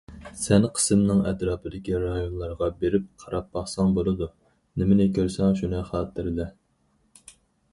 « سەن قىسىمنىڭ ئەتراپىدىكى رايونلارغا بېرىپ قاراپ باقساڭ بولىدۇ، نېمىنى كۆرسەڭ شۇنى خاتىرىلە».